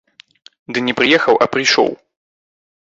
Ды не прыехаў, а прыйшоў.